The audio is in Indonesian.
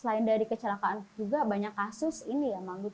selain dari kecelakaan juga banyak kasus yang diberi pertolongan medis